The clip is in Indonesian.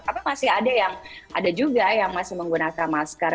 tapi masih ada yang ada juga yang masih menggunakan masker